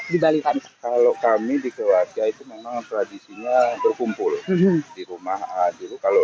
dibalikan kalau kami dikeluarga itu memang tradisinya berkumpul di rumah adil kalau